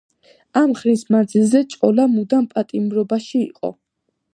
ამ ხნის მანძილზე ჭოლა მუდამ პატიმრობაში იყო.